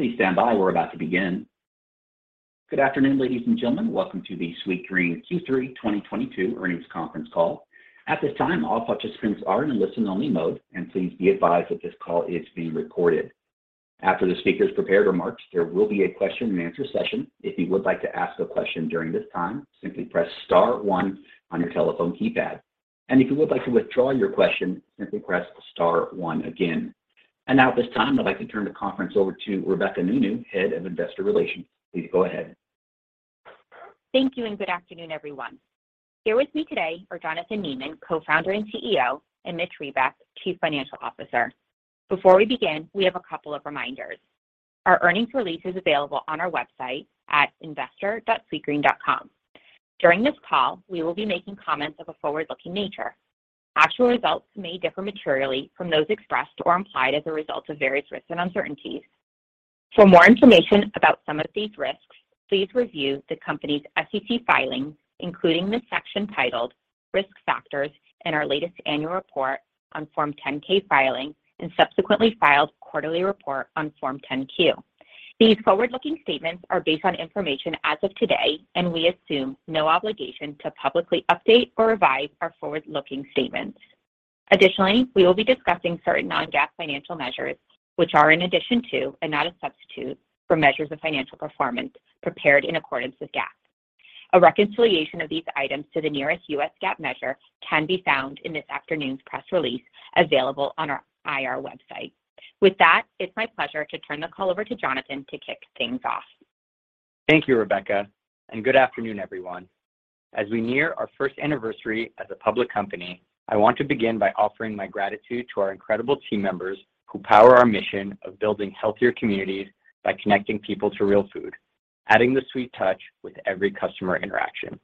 Please stand by. We're about to begin. Good afternoon, ladies and gentlemen. Welcome to the Sweetgreen Q3 2022 Earnings Conference Call. At this time, all participant screens are in a listen-only mode, and please be advised that this call is being recorded. After the speakers' prepared remarks, there will be a question-and-answer session. If you would like to ask a question during this time, simply press star one on your telephone keypad. If you would like to withdraw your question, simply press star one again. Now, at this time, I'd like to turn the conference over to Rebecca Nounou, Head of Investor Relations. Please go ahead. Thank you, and good afternoon, everyone. Here with me today are Jonathan Neman, Co-founder and CEO, and Mitch Reback, Chief Financial Officer. Before we begin, we have a couple of reminders. Our earnings release is available on our website at investor.sweetgreen.com. During this call, we will be making comments of a forward-looking nature. Actual results may differ materially from those expressed or implied as a result of various risks and uncertainties. For more information about some of these risks, please review the company's SEC filings, including the section titled Risk Factors in our latest annual report on Form 10-K filing and subsequently filed quarterly report on Form 10-Q. These forward-looking statements are based on information as of today, and we assume no obligation to publicly update or revise our forward-looking statements. Additionally, we will be discussing certain non-GAAP financial measures, which are in addition to and not a substitute for measures of financial performance prepared in accordance with GAAP. A reconciliation of these items to the nearest U.S. GAAP measure can be found in this afternoon's press release available on our IR website. With that, it's my pleasure to turn the call over to Jonathan to kick things off. Thank you, Rebecca, and good afternoon, everyone. As we near our first anniversary as a public company, I want to begin by offering my gratitude to our incredible team members who power our mission of building healthier communities by connecting people to real food, adding the sweet touch with every customer interaction.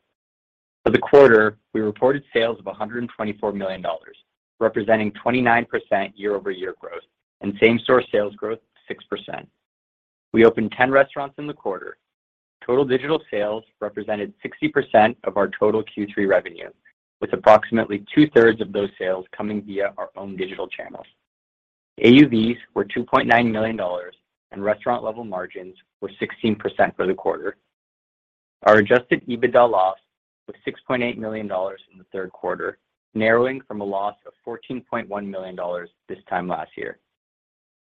For the quarter, we reported sales of $124 million, representing 29% year-over-year growth, and same-store sales growth 6%. We opened 10 restaurants in the quarter. Total digital sales represented 60% of our total Q3 revenue, with approximately two-thirds of those sales coming via our own digital channels. AUVs were $2.9 million, and restaurant level margins were 16% for the quarter. Our adjusted EBITDA loss was $6.8 million in the third quarter, narrowing from a loss of $14.1 million this time last year.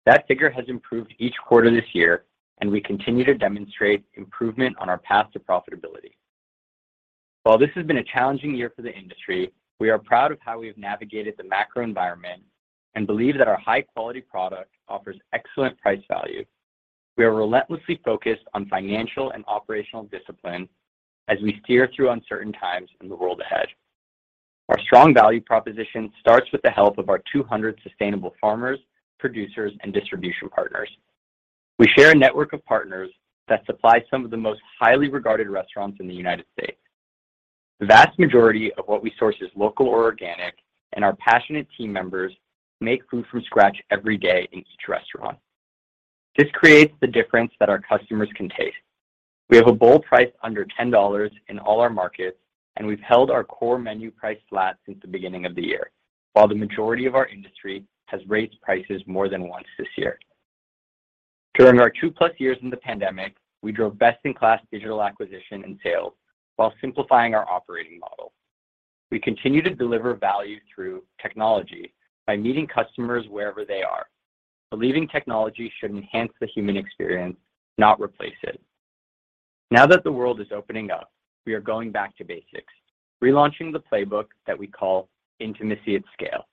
That figure has improved each quarter this year, and we continue to demonstrate improvement on our path to profitability. While this has been a challenging year for the industry, we are proud of how we have navigated the macro environment and believe that our high-quality product offers excellent price value. We are relentlessly focused on financial and operational discipline as we steer through uncertain times in the world ahead. Our strong value proposition starts with the help of our 200 sustainable farmers, producers, and distribution partners. We share a network of partners that supply some of the most highly regarded restaurants in the United States. The vast majority of what we source is local or organic, and our passionate team members make food from scratch every day in each restaurant. This creates the difference that our customers can taste. We have a bowl priced under $10 in all our markets, and we've held our core menu price flat since the beginning of the year, while the majority of our industry has raised prices more than once this year. During our 2-plus years in the pandemic, we drove best-in-class digital acquisition and sales while simplifying our operating model. We continue to deliver value through technology by meeting customers wherever they are, believing technology should enhance the human experience, not replace it. Now that the world is opening up, we are going back to basics, relaunching the playbook that we call Intimacy at Scale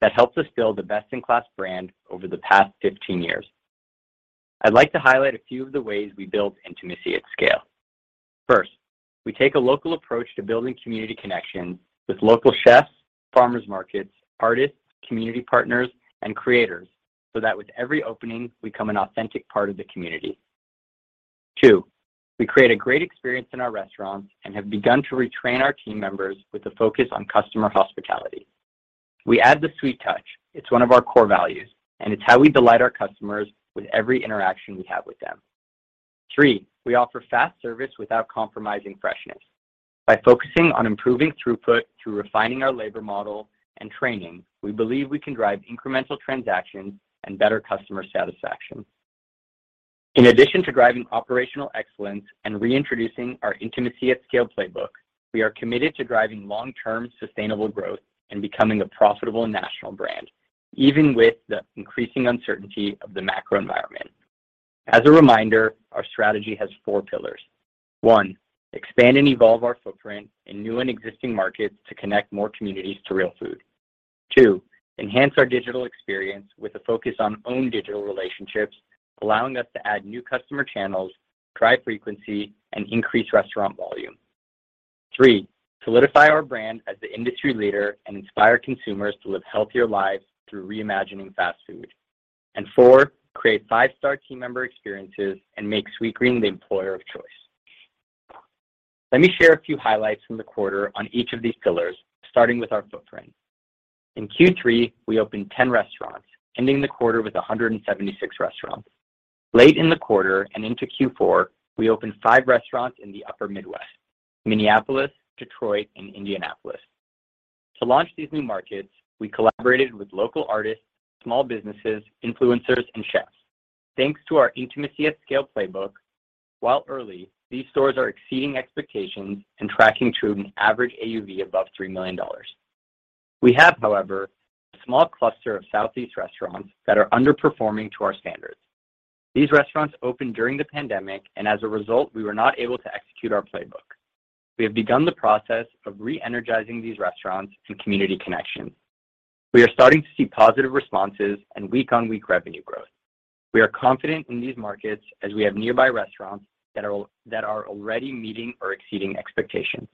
that helped us build a best-in-class brand over the past 15 years. I'd like to highlight a few of the ways we build Intimacy at Scale. First, we take a local approach to building community connections with local chefs, farmers markets, artists, community partners, and creators so that with every opening, we become an authentic part of the community. Two, we create a great experience in our restaurants and have begun to retrain our team members with a focus on customer hospitality. We add the sweet touch. It's one of our core values, and it's how we delight our customers with every interaction we have with them. Three, we offer fast service without compromising freshness. By focusing on improving throughput through refining our labor model and training, we believe we can drive incremental transactions and better customer satisfaction. In addition to driving operational excellence and reintroducing our Intimacy at Scale playbook, we are committed to driving long-term sustainable growth and becoming a profitable national brand, even with the increasing uncertainty of the macro environment. As a reminder, our strategy has four pillars. One, expand and evolve our footprint in new and existing markets to connect more communities to real food. Two, enhance our digital experience with a focus on own digital relationships, allowing us to add new customer channels, drive frequency, and increase restaurant volume. Three, solidify our brand as the industry leader and inspire consumers to live healthier lives through reimagining fast food. Four, create five-star team member experiences and make Sweetgreen the employer of choice. Let me share a few highlights from the quarter on each of these pillars, starting with our footprint. In Q3, we opened 10 restaurants, ending the quarter with 176 restaurants. Late in the quarter and into Q4, we opened 5 restaurants in the upper Midwest: Minneapolis, Detroit, and Indianapolis. To launch these new markets, we collaborated with local artists, small businesses, influencers, and chefs. Thanks to our Intimacy at Scale playbook, while early, these stores are exceeding expectations and tracking to an average AUV above $3 million. We have, however, a small cluster of Southeast restaurants that are underperforming to our standards. These restaurants opened during the pandemic, and as a result, we were not able to execute our playbook. We have begun the process of re-energizing these restaurants through community connections. We are starting to see positive responses and week-on-week revenue growth. We are confident in these markets as we have nearby restaurants that are already meeting or exceeding expectations.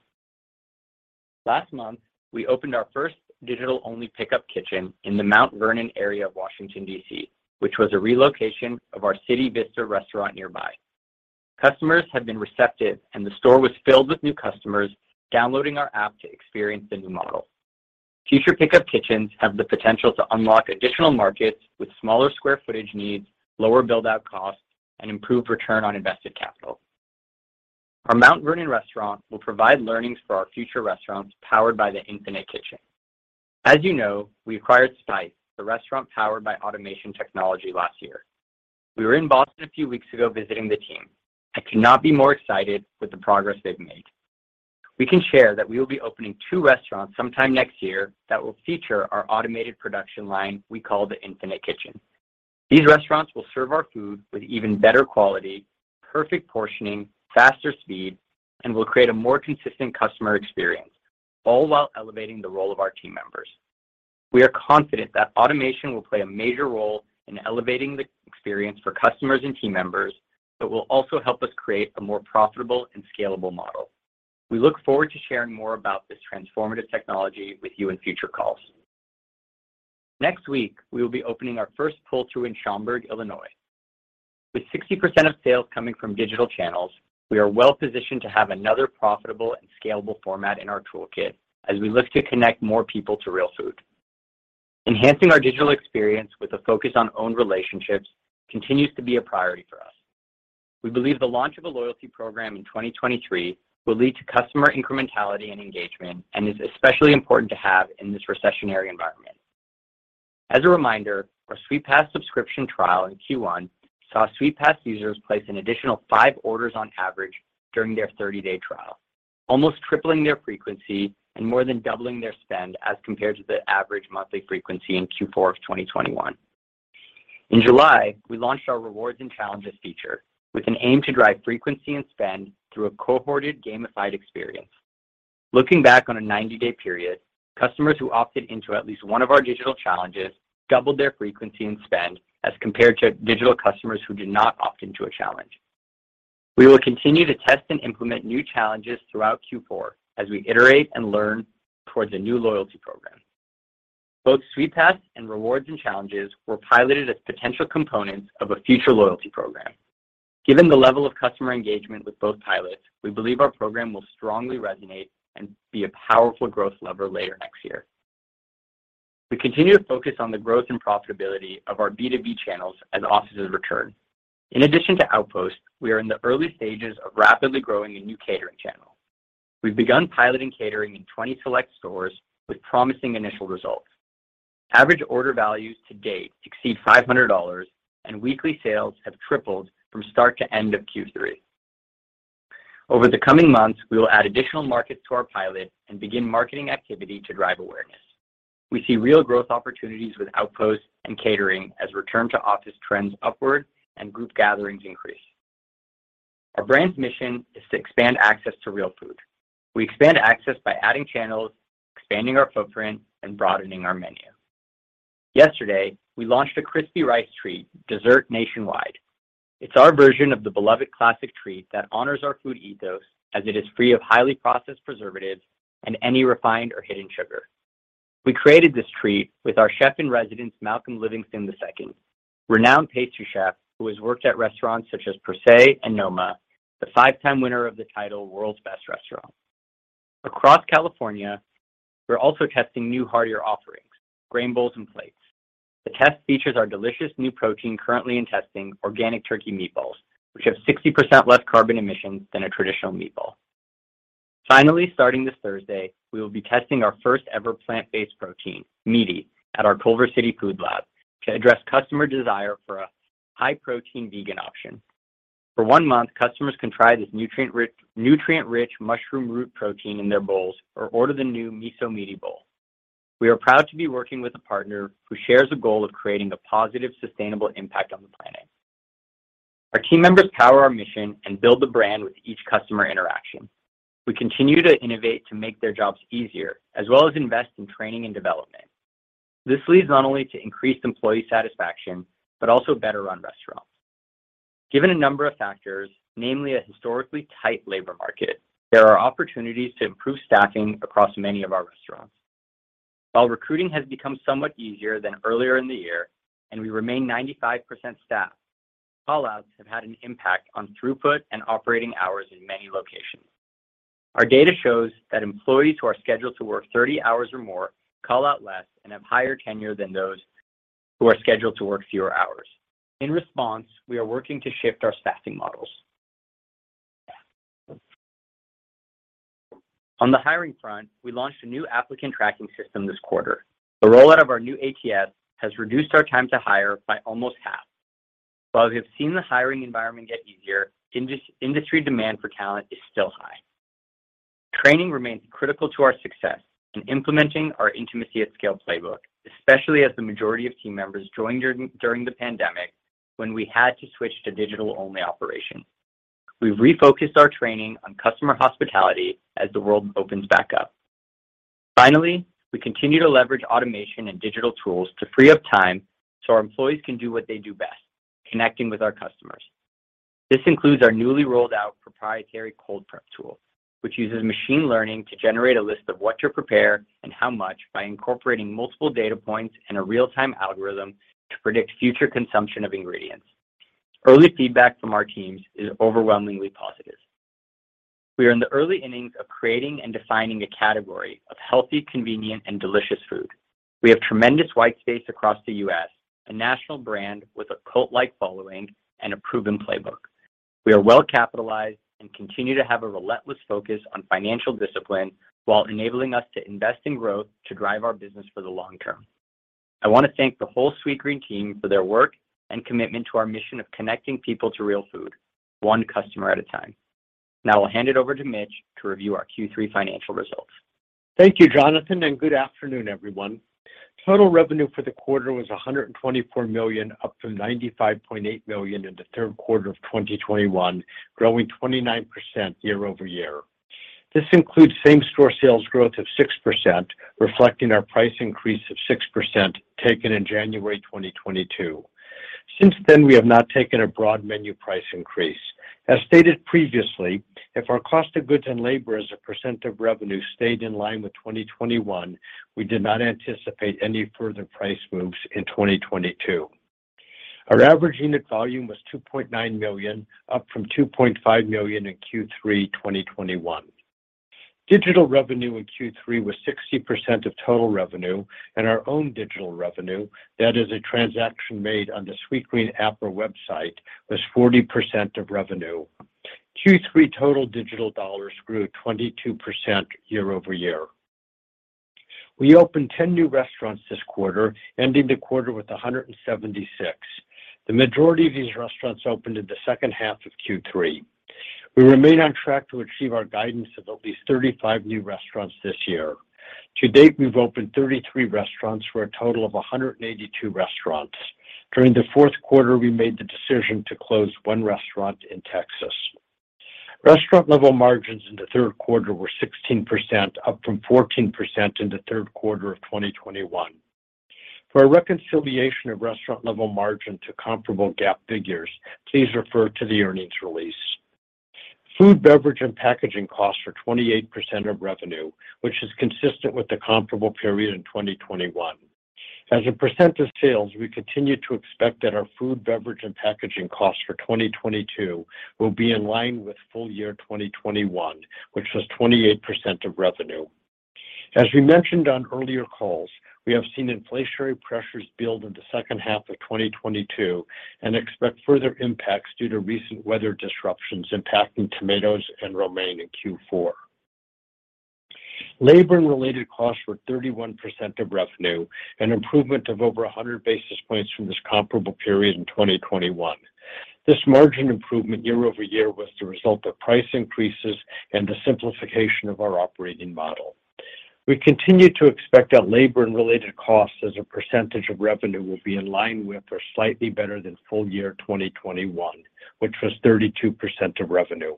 Last month, we opened our first digital-only pickup kitchen in the Mount Vernon area of Washington, D.C., which was a relocation of our CityVista restaurant nearby. Customers have been receptive, and the store was filled with new customers downloading our app to experience the new model. Future pickup kitchens have the potential to unlock additional markets with smaller square footage needs, lower build-out costs, and improved return on invested capital. Our Mount Vernon restaurant will provide learnings for our future restaurants powered by the Infinite Kitchen. As you know, we acquired Spyce, the restaurant powered by automation technology last year. We were in Boston a few weeks ago visiting the team. I cannot be more excited with the progress they've made. We can share that we will be opening two restaurants sometime next year that will feature our automated production line we call the Infinite Kitchen. These restaurants will serve our food with even better quality, perfect portioning, faster speed, and will create a more consistent customer experience, all while elevating the role of our team members. We are confident that automation will play a major role in elevating the experience for customers and team members, but will also help us create a more profitable and scalable model. We look forward to sharing more about this transformative technology with you in future calls. Next week, we will be opening our first pull-through in Schaumburg, Illinois. With 60% of sales coming from digital channels, we are well-positioned to have another profitable and scalable format in our toolkit as we look to connect more people to real food. Enhancing our digital experience with a focus on owned relationships continues to be a priority for us. We believe the launch of a loyalty program in 2023 will lead to customer incrementality and engagement, and is especially important to have in this recessionary environment. As a reminder, our Sweet Pass subscription trial in Q1 saw Sweet Pass users place an additional five orders on average during their 30-day trial, almost tripling their frequency and more than doubling their spend as compared to the average monthly frequency in Q4 of 2021. In July, we launched our rewards and challenges feature with an aim to drive frequency and spend through a cohorted gamified experience. Looking back on a 90-day period, customers who opted into at least one of our digital challenges doubled their frequency and spend as compared to digital customers who did not opt into a challenge. We will continue to test and implement new challenges throughout Q4 as we iterate and learn towards a new loyalty program. Both Sweetpass and rewards and challenges were piloted as potential components of a future loyalty program. Given the level of customer engagement with both pilots, we believe our program will strongly resonate and be a powerful growth lever later next year. We continue to focus on the growth and profitability of our B2B channels as offices return. In addition to Outpost, we are in the early stages of rapidly growing a new catering channel. We've begun piloting catering in 20 select stores with promising initial results. Average order values to date exceed $500, and weekly sales have tripled from start to end of Q3. Over the coming months, we will add additional markets to our pilot and begin marketing activity to drive awareness. We see real growth opportunities with Outpost and catering as return to office trends upward and group gatherings increase. Our brand's mission is to expand access to real food. We expand access by adding channels, expanding our footprint, and broadening our menu. Yesterday, we launched a crispy rice treat dessert nationwide. It's our version of the beloved classic treat that honors our food ethos as it is free of highly processed preservatives and any refined or hidden sugar. We created this treat with our Chef in Residence, Malcolm Livingston II, renowned pastry chef who has worked at restaurants such as Per Se and Noma, the five-time winner of the title World's Best Restaurant. Across California, we're also testing new heartier offerings, grain bowls, and plates. The test features our delicious new protein currently in testing, organic turkey meatballs, which have 60% less carbon emissions than a traditional meatball. Finally, starting this Thursday, we will be testing our first ever plant-based protein, Meati, at our Culver City Food Lab to address customer desire for a high-protein vegan option. For one month, customers can try this nutrient-rich mushroom root protein in their bowls or order the new miso Meati bowl. We are proud to be working with a partner who shares the goal of creating a positive, sustainable impact on the planet. Our team members power our mission and build the brand with each customer interaction. We continue to innovate to make their jobs easier, as well as invest in training and development. This leads not only to increased employee satisfaction, but also better run restaurants. Given a number of factors, namely a historically tight labor market, there are opportunities to improve staffing across many of our restaurants. While recruiting has become somewhat easier than earlier in the year, and we remain 95% staffed, call-outs have had an impact on throughput and operating hours in many locations. Our data shows that employees who are scheduled to work 30 hours or more call out less and have higher tenure than those who are scheduled to work fewer hours. In response, we are working to shift our staffing models. On the hiring front, we launched a new applicant tracking system this quarter. The rollout of our new ATS has reduced our time to hire by almost half. While we have seen the hiring environment get easier, industry demand for talent is still high. Training remains critical to our success in implementing our Intimacy at Scale playbook, especially as the majority of team members joined during the pandemic when we had to switch to digital-only operations. We've refocused our training on customer hospitality as the world opens back up. Finally, we continue to leverage automation and digital tools to free up time so our employees can do what they do best, connecting with our customers. This includes our newly rolled out proprietary cold prep tool, which uses machine learning to generate a list of what to prepare and how much by incorporating multiple data points and a real-time algorithm to predict future consumption of ingredients. Early feedback from our teams is overwhelmingly positive. We are in the early innings of creating and defining a category of healthy, convenient, and delicious food. We have tremendous white space across the U.S., a national brand with a cult-like following, and a proven playbook. We are well capitalized and continue to have a relentless focus on financial discipline while enabling us to invest in growth to drive our business for the long term. I want to thank the whole Sweetgreen team for their work and commitment to our mission of connecting people to real food, one customer at a time. Now I'll hand it over to Mitch to review our Q3 financial results. Thank you, Jonathan, and good afternoon, everyone. Total revenue for the quarter was $124 million, up from $95.8 million in the third quarter of 2021, growing 29% year-over-year. This includes same-store sales growth of 6%, reflecting our price increase of 6% taken in January 2022. Since then, we have not taken a broad menu price increase. As stated previously, if our cost of goods and labor as a percent of revenue stayed in line with 2021, we did not anticipate any further price moves in 2022. Our average unit volume was $2.9 million, up from $2.5 million in Q3 2021. Digital revenue in Q3 was 60% of total revenue, and our own digital revenue, that is a transaction made on the Sweetgreen app or website, was 40% of revenue. Q3 total digital dollars grew 22% year-over-year. We opened 10 new restaurants this quarter, ending the quarter with 176. The majority of these restaurants opened in the second half of Q3. We remain on track to achieve our guidance of at least 35 new restaurants this year. To date, we've opened 33 restaurants for a total of 182 restaurants. During the fourth quarter, we made the decision to close 1 restaurant in Texas. Restaurant level margins in the third quarter were 16%, up from 14% in the third quarter of 2021. For a reconciliation of restaurant level margin to comparable GAAP figures, please refer to the earnings release. Food, beverage, and packaging costs were 28% of revenue, which is consistent with the comparable period in 2021. As a percent of sales, we continue to expect that our food, beverage, and packaging costs for 2022 will be in line with full year 2021, which was 28% of revenue. We mentioned on earlier calls, we have seen inflationary pressures build in the second half of 2022 and expect further impacts due to recent weather disruptions impacting tomatoes and romaine in Q4. Labor and related costs were 31% of revenue, an improvement of over 100 basis points from this comparable period in 2021. This margin improvement year over year was the result of price increases and the simplification of our operating model. We continue to expect that labor and related costs as a percentage of revenue will be in line with or slightly better than full year 2021, which was 32% of revenue.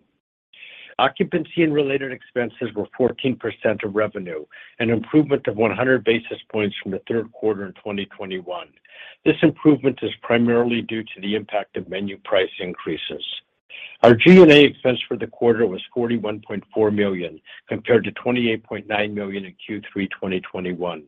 Occupancy and related expenses were 14% of revenue, an improvement of 100 basis points from the third quarter in 2021. This improvement is primarily due to the impact of menu price increases. Our G&A expense for the quarter was $41.4 million, compared to $28.9 million in Q3 2021.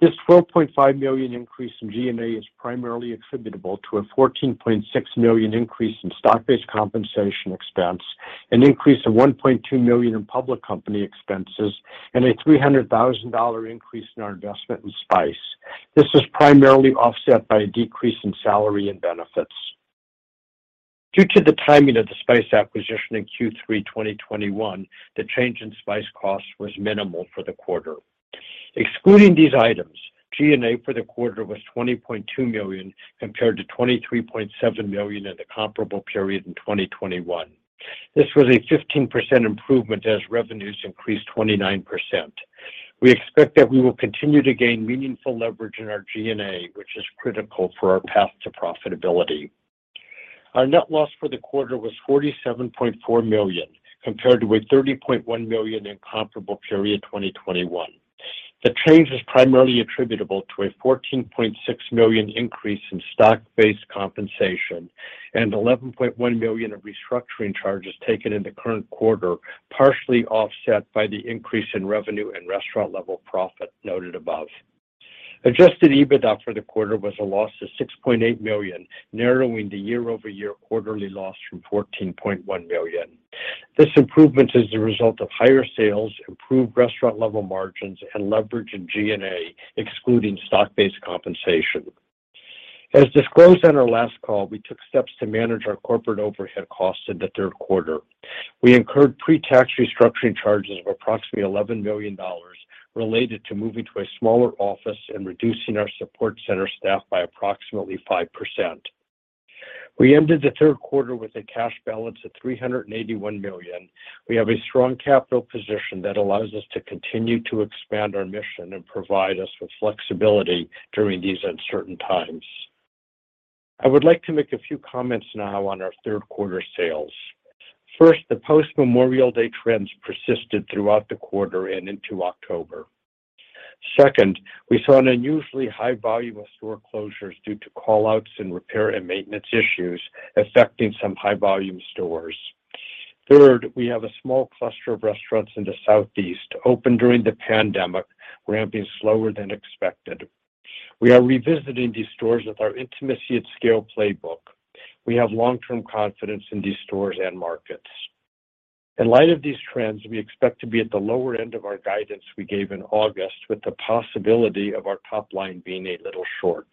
This $12.5 million increase in G&A is primarily attributable to a $14.6 million increase in stock-based compensation expense, an increase of $1.2 million in public company expenses, and a $300,000 increase in our investment in Spyce. This is primarily offset by a decrease in salary and benefits. Due to the timing of the Spyce acquisition in Q3 2021, the change in Spyce costs was minimal for the quarter. Excluding these items, G&A for the quarter was $20.2 million compared to $23.7 million in the comparable period in 2021. This was a 15% improvement as revenues increased 29%. We expect that we will continue to gain meaningful leverage in our G&A, which is critical for our path to profitability. Our net loss for the quarter was $47.4 million, compared to a $30.1 million in comparable period 2021. The change is primarily attributable to a $14.6 million increase in stock-based compensation and $11.1 million of restructuring charges taken in the current quarter, partially offset by the increase in revenue and restaurant level profit noted above. Adjusted EBITDA for the quarter was a loss of $6.8 million, narrowing the year-over-year quarterly loss from $14.1 million. This improvement is the result of higher sales, improved restaurant level margins, and leverage in G&A, excluding stock-based compensation. As disclosed on our last call, we took steps to manage our corporate overhead costs in the third quarter. We incurred pre-tax restructuring charges of approximately $11 million related to moving to a smaller office and reducing our support center staff by approximately 5%. We ended the third quarter with a cash balance of $381 million. We have a strong capital position that allows us to continue to expand our mission and provide us with flexibility during these uncertain times. I would like to make a few comments now on our third quarter sales. First, the post Memorial Day trends persisted throughout the quarter and into October. Second, we saw an unusually high volume of store closures due to call-outs and repair and maintenance issues affecting some high volume stores. Third, we have a small cluster of restaurants in the Southeast opened during the pandemic, ramping slower than expected. We are revisiting these stores with our Intimacy at Scale playbook. We have long-term confidence in these stores and markets. In light of these trends, we expect to be at the lower end of our guidance we gave in August, with the possibility of our top line being a little short.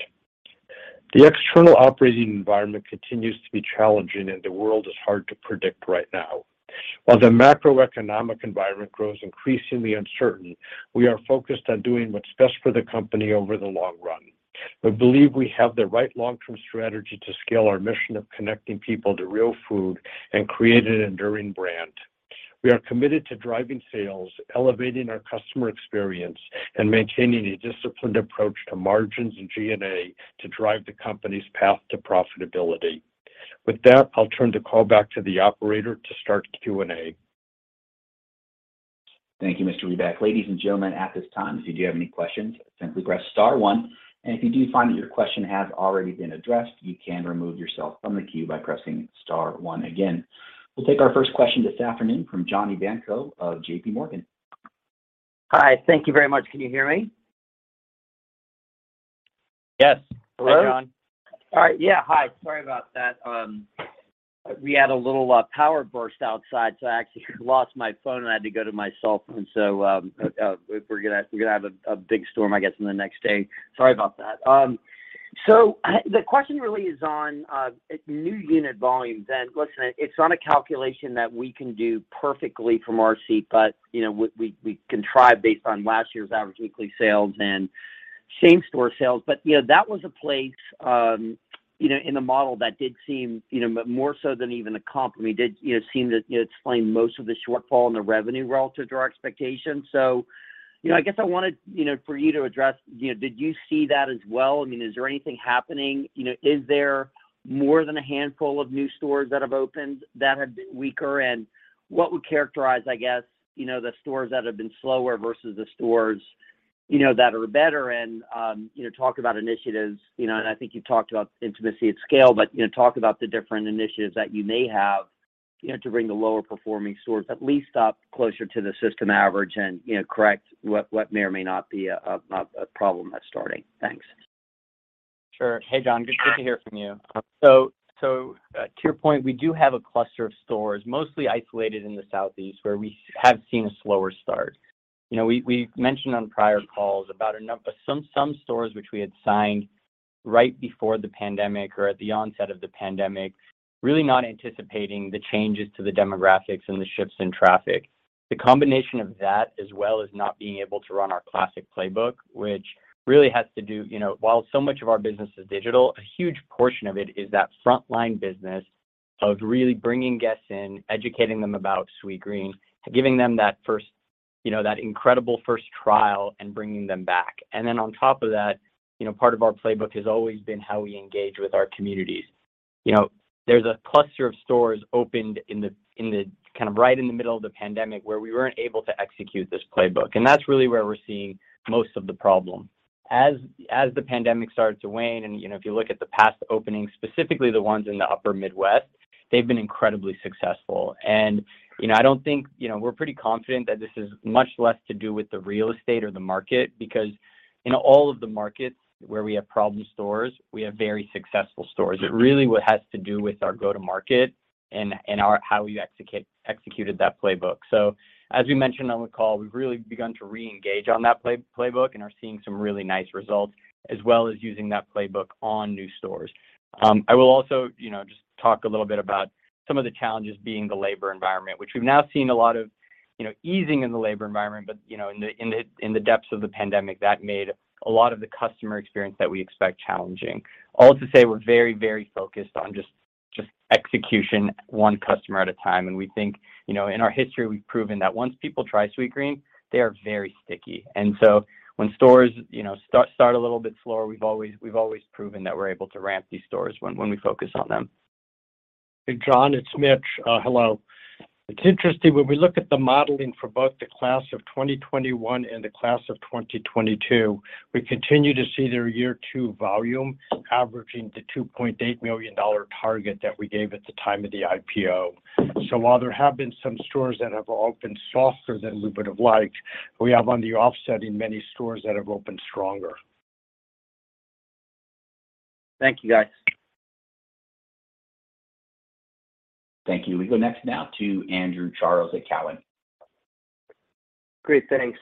The external operating environment continues to be challenging, and the world is hard to predict right now. While the macroeconomic environment grows increasingly uncertain, we are focused on doing what's best for the company over the long run. We believe we have the right long-term strategy to scale our mission of connecting people to real food and create an enduring brand. We are committed to driving sales, elevating our customer experience, and maintaining a disciplined approach to margins and G&A to drive the company's path to profitability. With that, I'll turn the call back to the operator to start Q&A. Thank you, Mr. Reback. Ladies and gentlemen, at this time, if you do have any questions, simply press star one. If you do find that your question has already been addressed, you can remove yourself from the queue by pressing star one again. We'll take our first question this afternoon from John Ivankoe of JPMorgan. Hi. Thank you very much. Can you hear me? Yes. Hello. Hi, John. All right. Yeah, hi. Sorry about that. We had a little power burst outside, so I actually lost my phone, and I had to go to my cell phone. We're gonna have a big storm, I guess, in the next day. Sorry about that. The question really is on new unit volumes. Listen, it's not a calculation that we can do perfectly from our seat, but you know, we can try based on last year's average weekly sales and same-store sales. You know, that was a place you know in the model that did seem you know more so than even a comp. I mean did you know seem to you know explain most of the shortfall in the revenue relative to our expectations. You know, I guess I wanted, you know, for you to address, you know, did you see that as well? I mean, is there anything happening? You know, is there more than a handful of new stores that have opened that have been weaker? What would characterize, I guess, you know, the stores that have been slower versus the stores, you know, that are better and, you know, talk about initiatives, you know, and I think you've talked about Intimacy at Scale, but, you know, talk about the different initiatives that you may have, you know, to bring the lower performing stores at least up closer to the system average and, you know, correct what may or may not be a problem that's starting. Thanks. Sure. Hey, John, good to hear from you. To your point, we do have a cluster of stores, mostly isolated in the Southeast, where we have seen a slower start. You know, we mentioned on prior calls about some stores which we had signed right before the pandemic or at the onset of the pandemic, really not anticipating the changes to the demographics and the shifts in traffic. The combination of that, as well as not being able to run our classic playbook, which really has to do, you know, while so much of our business is digital, a huge portion of it is that frontline business of really bringing guests in, educating them about Sweetgreen, giving them that first, you know, that incredible first trial and bringing them back. Then on top of that, you know, part of our playbook has always been how we engage with our communities. You know, there's a cluster of stores opened in the kind of right in the middle of the pandemic where we weren't able to execute this playbook. That's really where we're seeing most of the problem. As the pandemic started to wane, and, you know, if you look at the past openings, specifically the ones in the upper Midwest, they've been incredibly successful. You know, I don't think, you know, we're pretty confident that this is much less to do with the real estate or the market, because in all of the markets where we have problem stores, we have very successful stores. It really has to do with our go-to-market and how we executed that playbook. As we mentioned on the call, we've really begun to reengage on that playbook and are seeing some really nice results as well as using that playbook on new stores. I will also, you know, just talk a little bit about some of the challenges being the labor environment, which we've now seen a lot of, you know, easing in the labor environment. In the depths of the pandemic, that made a lot of the customer experience that we expect challenging. All to say we're very, very focused on just execution, one customer at a time. We think, you know, in our history, we've proven that once people try Sweetgreen, they are very sticky. When stores, you know, start a little bit slower, we've always proven that we're able to ramp these stores when we focus on them. Hey, John, it's Mitch. Hello. It's interesting when we look at the modeling for both the class of 2021 and the class of 2022. We continue to see their year two volume averaging the $2.8 million target that we gave at the time of the IPO. While there have been some stores that have opened softer than we would have liked, we have offsetting in many stores that have opened stronger. Thank you, guys. Thank you. We go next now to Andrew Charles at TD Cowen. Great, thanks.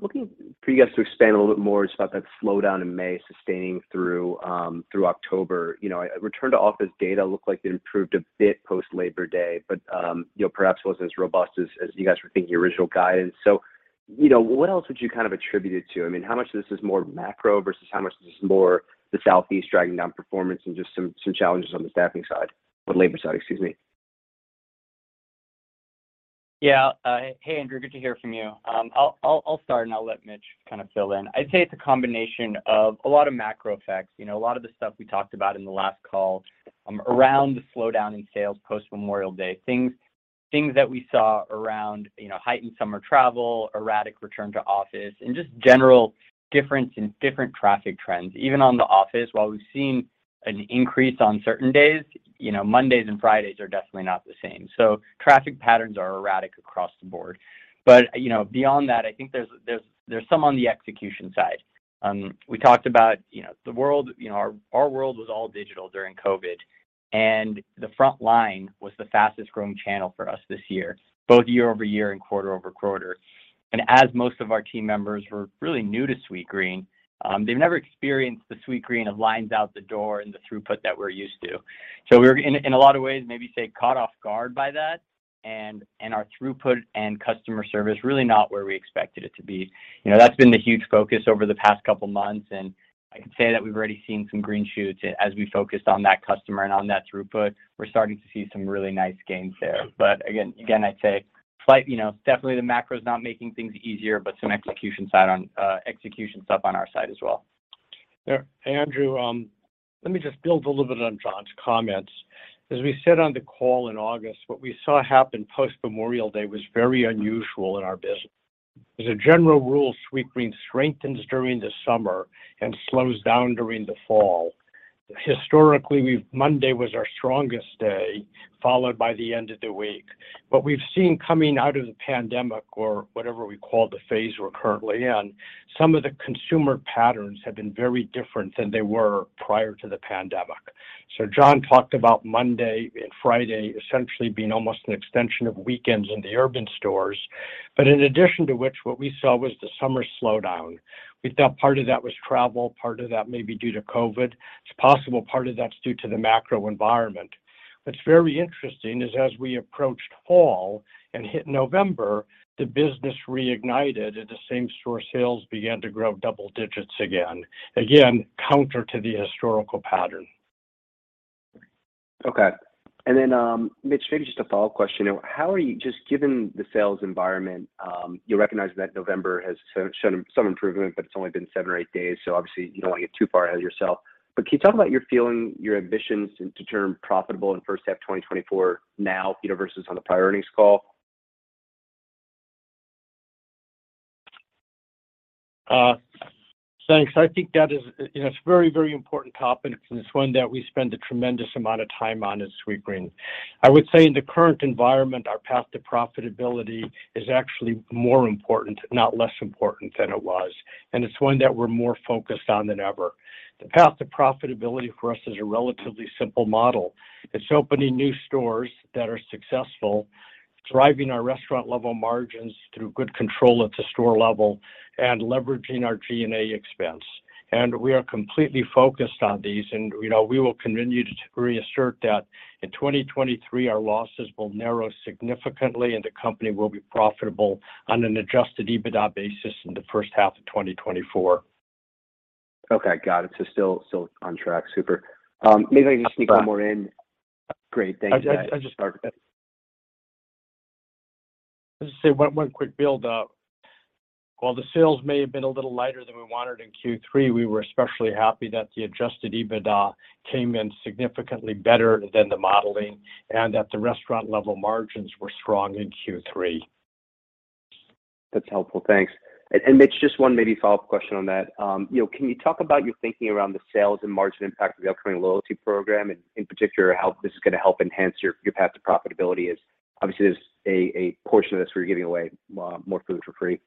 Looking for you guys to expand a little bit more just about that slowdown in May sustaining through October. You know, return to office data looked like it improved a bit post Labor Day, but you know, perhaps wasn't as robust as you guys were thinking original guidance. You know, what else would you kind of attribute it to? I mean, how much of this is more macro versus how much is this more the Southeast dragging down performance and just some challenges on the staffing side or labor side, excuse me. Yeah. Hey, Andrew, good to hear from you. I'll start, and I'll let Mitch kind of fill in. I'd say it's a combination of a lot of macro effects, you know, a lot of the stuff we talked about in the last call, around the slowdown in sales post Memorial Day. Things that we saw around, you know, heightened summer travel, erratic return to office, and just general difference in different traffic trends. Even on the office, while we've seen an increase on certain days, you know, Mondays and Fridays are definitely not the same. Traffic patterns are erratic across the board. You know, beyond that, I think there's some on the execution side. We talked about, you know, the world, you know, our world was all digital during COVID, and the front line was the fastest growing channel for us this year, both year-over-year and quarter-over-quarter. As most of our team members were really new to Sweetgreen, they've never experienced the Sweetgreen of lines out the door and the throughput that we're used to. We're in a lot of ways, maybe say caught off guard by that, and our throughput and customer service really not where we expected it to be. You know, that's been the huge focus over the past couple months, and I can say that we've already seen some green shoots. As we focused on that customer and on that throughput, we're starting to see some really nice gains there. Again, I'd say slight. You know, definitely the macro's not making things easier, but some execution side on, execution stuff on our side as well. Yeah. Andrew, let me just build a little bit on John's comments. As we said on the call in August, what we saw happen post Memorial Day was very unusual in our business. As a general rule, Sweetgreen strengthens during the summer and slows down during the fall. Historically, Monday was our strongest day, followed by the end of the week. What we've seen coming out of the pandemic, or whatever we call the phase we're currently in, some of the consumer patterns have been very different than they were prior to the pandemic. John talked about Monday and Friday essentially being almost an extension of weekends in the urban stores. In addition to which, what we saw was the summer slowdown. We thought part of that was travel, part of that may be due to COVID. It's possible part of that's due to the macro environment. What's very interesting is as we approached fall and hit November, the business reignited, and the same-store sales began to grow double digits again. Again, counter to the historical pattern. Okay. Mitch, maybe just a follow-up question. Just given the sales environment, you're recognizing that November has shown some improvement, but it's only been 7 or 8 days, so obviously you don't want to get too far ahead of yourself. But can you talk about your feeling, your ambitions to turn profitable in first half 2024 now, you know, versus on the prior earnings call? Thanks. I think that is, you know, it's a very, very important topic, and it's one that we spend a tremendous amount of time on at Sweetgreen. I would say in the current environment, our path to profitability is actually more important, not less important than it was, and it's one that we're more focused on than ever. The path to profitability for us is a relatively simple model. It's opening new stores that are successful, driving our restaurant level margins through good control at the store level, and leveraging our G&A expense. We are completely focused on these. You know, we will continue to reassert that in 2023, our losses will narrow significantly, and the company will be profitable on an adjusted EBITDA basis in the first half of 2024. Okay, got it. Still on track. Super. Maybe I can just sneak one more in. Great, thanks. I'd just- Sorry. I'd just say one quick build-up. While the sales may have been a little lighter than we wanted in Q3, we were especially happy that the adjusted EBITDA came in significantly better than the modeling and that the restaurant level margins were strong in Q3. That's helpful, thanks. Mitch, just one maybe follow-up question on that. You know, can you talk about your thinking around the sales and margin impact of the upcoming loyalty program, and in particular, how this is gonna help enhance your path to profitability? Obviously, there's a portion of this where you're giving away a lot more food for free.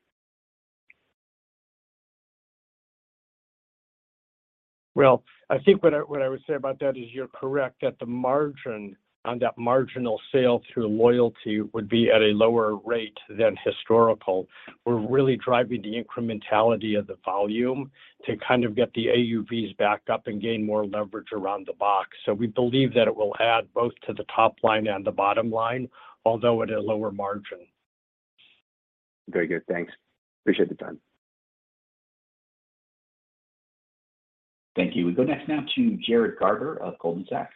Well, I think what I would say about that is you're correct that the margin on that marginal sale through loyalty would be at a lower rate than historical. We're really driving the incrementality of the volume to kind of get the AUVs back up and gain more leverage around the box. We believe that it will add both to the top line and the bottom line, although at a lower margin. Very good. Thanks. Appreciate the time. Thank you. We go next now to Jared Garber of Goldman Sachs.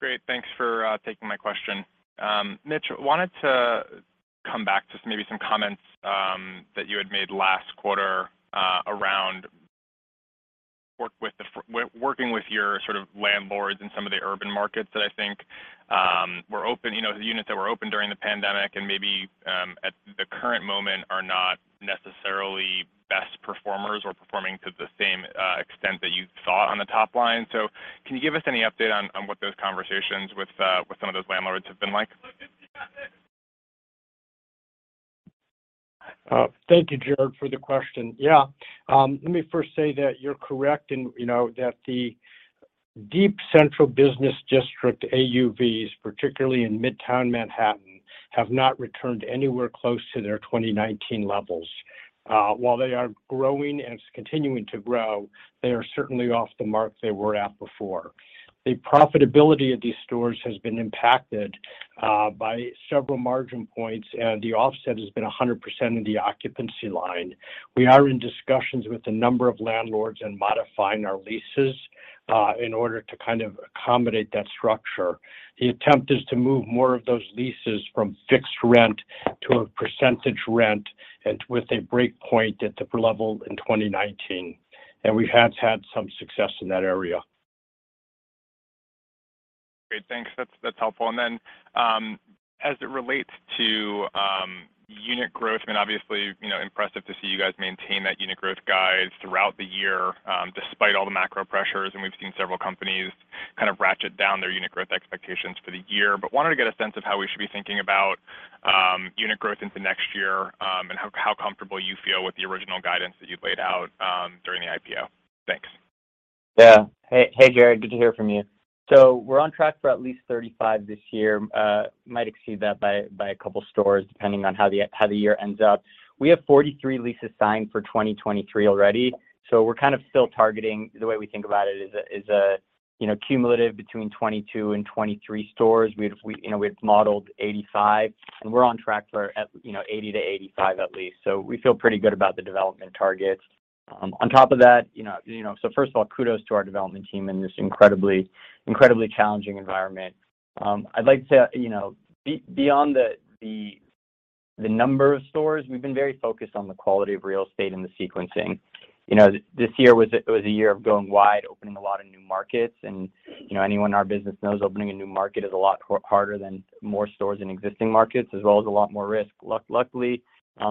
Great, thanks for taking my question. Mitch, wanted to come back to maybe some comments that you had made last quarter around working with your sort of landlords in some of the urban markets that I think were open, you know, the units that were open during the pandemic and maybe at the current moment are not necessarily best performers or performing to the same extent that you saw on the top line. Can you give us any update on what those conversations with some of those landlords have been like? Thank you, Jared, for the question. Yeah. Let me first say that you're correct in, you know, that the deep central business district AUVs, particularly in Midtown Manhattan, have not returned anywhere close to their 2019 levels. While they are growing and continuing to grow, they are certainly off the mark they were at before. The profitability of these stores has been impacted by several margin points, and the offset has been 100% in the occupancy line. We are in discussions with a number of landlords in modifying our leases in order to kind of accommodate that structure. The attempt is to move more of those leases from fixed rent to a percentage rent and with a break point at the level in 2019, and we have had some success in that area. Great. Thanks. That's helpful. Then, as it relates to unit growth, I mean, obviously, you know, impressive to see you guys maintain that unit growth guide throughout the year, despite all the macro pressures, and we've seen several companies kind of ratchet down their unit growth expectations for the year. Wanted to get a sense of how we should be thinking about unit growth into next year, and how comfortable you feel with the original guidance that you've laid out during the IPO. Thanks. Hey, Jared. Good to hear from you. We're on track for at least 35 this year, might exceed that by a couple stores depending on how the year ends up. We have 43 leases signed for 2023 already, so we're kind of still targeting the way we think about it is a, you know, cumulative between 2022 and 2023 stores. We've you know, we've modeled 85, and we're on track for you know, 80-85 at least. We feel pretty good about the development targets. On top of that, you know, so first of all, kudos to our development team in this incredibly challenging environment. I'd like to, you know, beyond the number of stores, we've been very focused on the quality of real estate and the sequencing. You know, this year was a year of going wide, opening a lot of new markets. You know, anyone in our business knows opening a new market is a lot harder than more stores in existing markets, as well as a lot more risk. Luckily,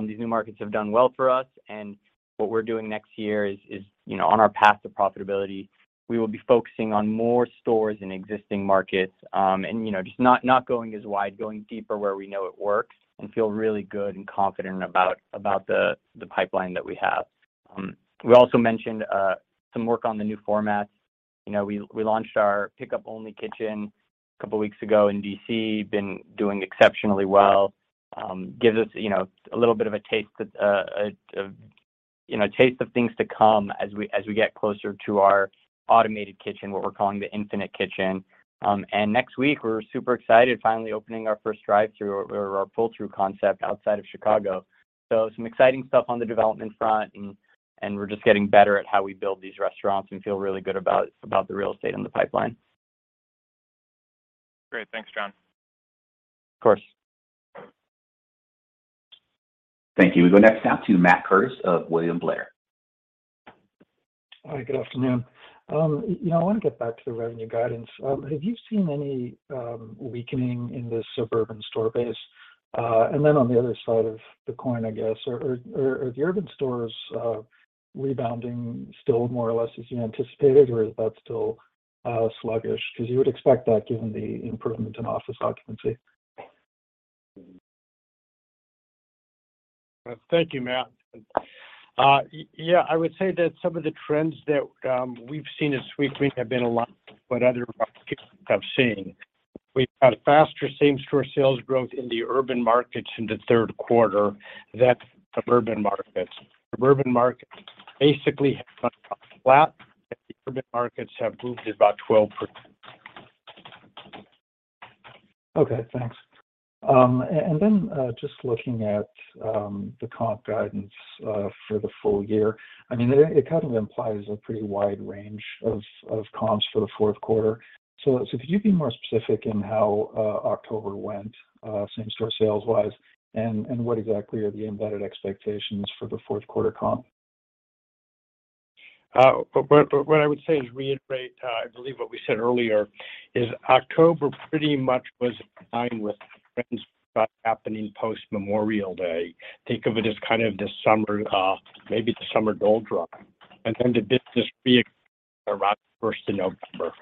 these new markets have done well for us, and what we're doing next year is, you know, on our path to profitability. We will be focusing on more stores in existing markets, and, you know, just not going as wide, going deeper where we know it works and feel really good and confident about the pipeline that we have. We also mentioned some work on the new formats. You know, we launched our pickup only kitchen a couple weeks ago in D.C., been doing exceptionally well. Gives us you know a little bit of a taste of things to come as we get closer to our automated kitchen, what we're calling the Infinite Kitchen. Next week, we're super excited, finally opening our first drive-through or our pull-through concept outside of Chicago. Some exciting stuff on the development front and we're just getting better at how we build these restaurants and feel really good about the real estate and the pipeline. Great. Thanks, John. Of course. Thank you. We go next now to Jon Tower of William Blair. Hi, good afternoon. You know, I wanna get back to the revenue guidance. Have you seen any weakening in the suburban store base? And then on the other side of the coin, I guess, are the urban stores rebounding still more or less as you anticipated or is that still sluggish? Because you would expect that given the improvement in office occupancy. Thank you, Matt. Yeah, I would say that some of the trends that we've seen at Sweetgreen have been a lot what other markets have seen. We've had faster same-store sales growth in the urban markets in the third quarter than suburban markets. Suburban markets basically have been flat, and urban markets have boomed at about 12%. Okay, thanks. Just looking at the comp guidance for the full year, I mean, it kind of implies a pretty wide range of comps for the fourth quarter. Could you be more specific in how October went same-store sales-wise, and what exactly are the embedded expectations for the fourth quarter comp? What I would say is reiterate, I believe what we said earlier, is October pretty much was in line with trends happening post Memorial Day. Think of it as kind of the summer, maybe the summer doldrums, and then the business peak around first of November.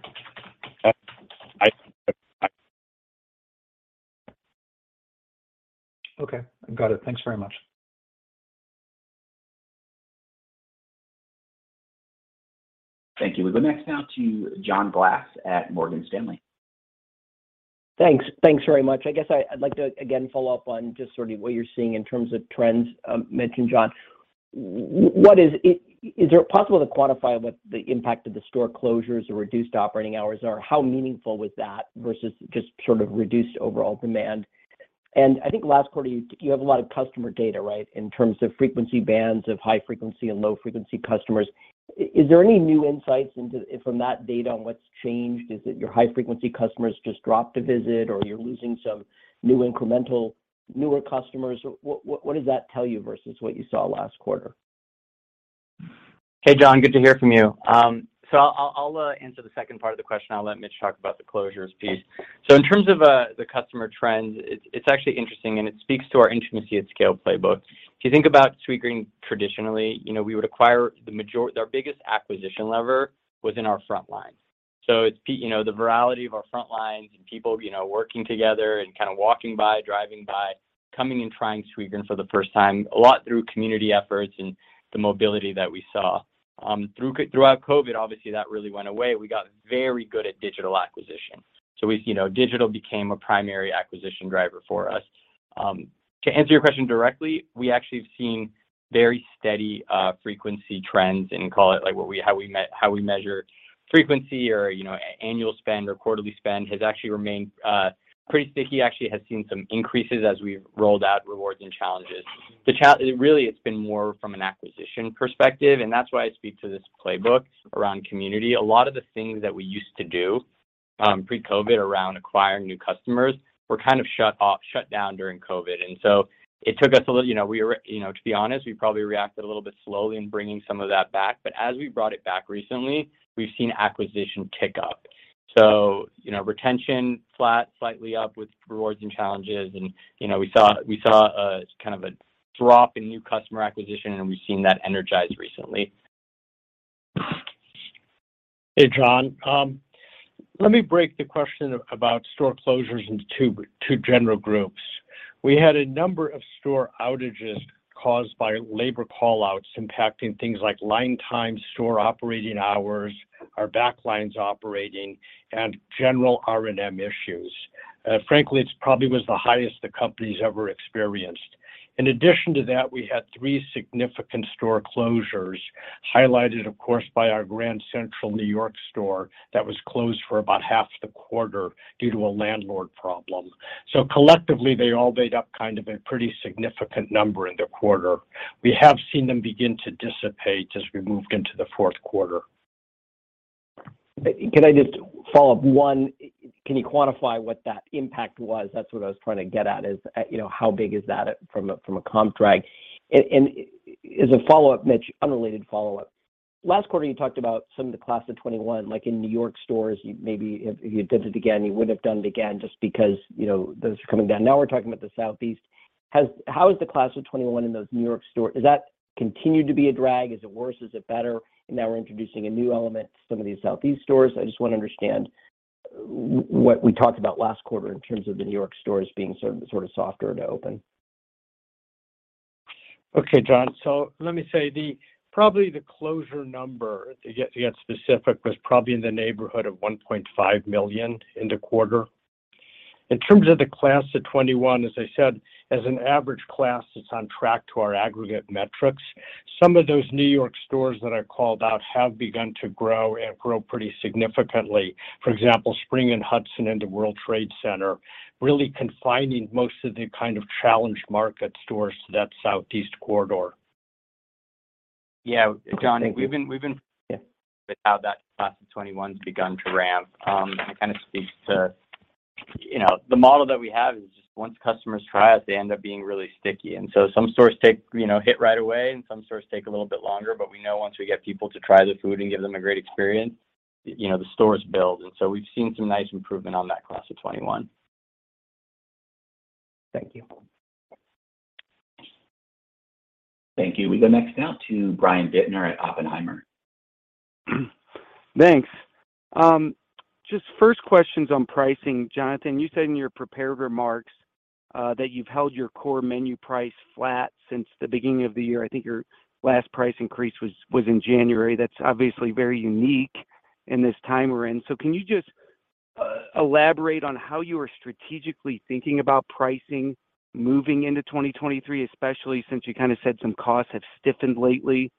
Okay. Got it. Thanks very much. Thank you. We go next now to John Glass at Morgan Stanley. Thanks. Thanks very much. I guess I'd like to again follow up on just sort of what you're seeing in terms of trends, mentioned, John. Is it possible to quantify what the impact of the store closures or reduced operating hours are? How meaningful was that versus just sort of reduced overall demand? I think last quarter, you have a lot of customer data, right, in terms of frequency bands of high frequency and low frequency customers. Is there any new insights from that data on what's changed? Is it your high frequency customers just dropped a visit or you're losing some new incremental newer customers? What does that tell you versus what you saw last quarter? Hey, John, good to hear from you. I'll answer the second part of the question. I'll let Mitch talk about the closures piece. In terms of the customer trends, it's actually interesting, and it speaks to our Intimacy at Scale playbook. If you think about Sweetgreen traditionally, you know, we would acquire our biggest acquisition lever was in our front lines. You know, the virality of our front lines and people, you know, working together and kind of walking by, driving by, coming in trying Sweetgreen for the first time, a lot through community efforts and the mobility that we saw. Throughout COVID, obviously, that really went away. We got very good at digital acquisition. You know, digital became a primary acquisition driver for us. To answer your question directly, we actually have seen very steady frequency trends and call it, like, how we measure frequency or, you know, annual spend or quarterly spend has actually remained pretty sticky. Actually has seen some increases as we've rolled out rewards and challenges. Really, it's been more from an acquisition perspective, and that's why I speak to this playbook around community. A lot of the things that we used to do pre-COVID around acquiring new customers were kind of shut off, shut down during COVID. It took us a little. You know, to be honest, we probably reacted a little bit slowly in bringing some of that back. As we brought it back recently, we've seen acquisition tick up. you know, retention flat, slightly up with rewards and challenges and, you know, we saw a kind of a drop in new customer acquisition, and we've seen that energize recently. Hey, John. Let me break the question about store closures into two general groups. We had a number of store outages caused by labor call-outs impacting things like line times, store operating hours, our back lines operating, and general R&M issues. Frankly, it's probably was the highest the company's ever experienced. In addition to that, we had three significant store closures highlighted, of course, by our Grand Central New York store that was closed for about half the quarter due to a landlord problem. Collectively, they all made up kind of a pretty significant number in the quarter. We have seen them begin to dissipate as we moved into the fourth quarter. Can I just follow up? One, can you quantify what that impact was? That's what I was trying to get at, is, you know, how big is that from a comp drag. As a follow-up, Mitch, unrelated follow-up. Last quarter, you talked about some of the Class of 2021, like in New York stores, you maybe if you did it again, you wouldn't have done it again just because, you know, those are coming down. Now we're talking about the Southeast. How is the class of 2021 in those New York stores? Does that continue to be a drag? Is it worse? Is it better? Now we're introducing a new element to some of these Southeast stores. I just want to understand what we talked about last quarter in terms of the New York stores being sort of softer to open. Okay, John. Let me say probably the closure number, to get specific, was probably in the neighborhood of $1.5 million in the quarter. In terms of the class of 2021, as I said, as an average class, it's on track to our aggregate metrics. Some of those New York stores that I called out have begun to grow and grow pretty significantly. For example, Spring and Hudson and the World Trade Center, really confining most of the kind of challenged market stores to that southeast corridor. Yeah, John, we've been. Yeah. How that class of 2021 has begun to ramp. It kind of speaks to, you know, the model that we have is just once customers try us, they end up being really sticky. Some stores, you know, hit right away, and some stores take a little bit longer. We know once we get people to try the food and give them a great experience, you know, the stores build. We've seen some nice improvement on that class of 2021. Thank you. Thank you. We go next now to Brian Bittner at Oppenheimer. Thanks. Just first question on pricing. Jonathan, you said in your prepared remarks that you've held your core menu price flat since the beginning of the year. I think your last price increase was in January. That's obviously very unique in this time we're in. Can you just elaborate on how you are strategically thinking about pricing moving into 2023, especially since you kind of said some costs have stiffened lately?